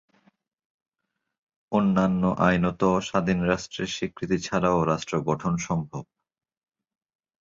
অন্যান্য আইনত স্বাধীন রাষ্ট্রের স্বীকৃতি ছাড়াও রাষ্ট্র গঠন সম্ভব।